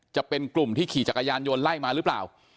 จะเป็นกลุ่มที่ขี่จักรยานยนต์ไล่มาหรือเปล่า